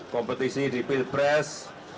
kompetisi di pilpres